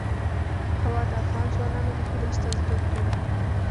هوا د افغان ځوانانو د هیلو استازیتوب کوي.